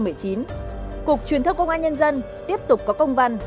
ngày tám tháng tám năm hai nghìn một mươi chín cục truyền thức công an nhân dân tiếp tục có công văn